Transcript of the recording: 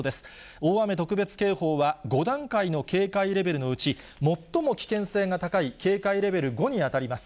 大雨特別警報は５段階の警戒レベルのうち、最も危険性が高い警戒レベル５に当たります。